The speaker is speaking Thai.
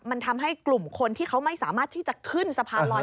มันทำให้กลุ่มคนที่เขาไม่สามารถที่จะขึ้นสะพานลอย